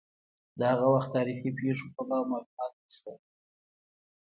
د هغه وخت تاریخي پېښو په باب معلومات نشته.